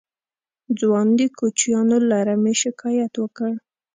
ځوان د کوچيانو له رمې شکايت وکړ.